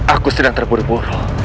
aku sedang terburu buru